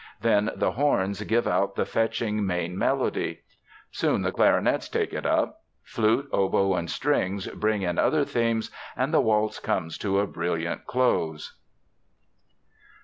Then the horns give out the fetching main melody. Soon the clarinets take it up. Flute, oboe, and strings bring in other themes, and the waltz comes to a brilliant close.